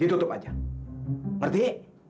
ditutup aja ngerti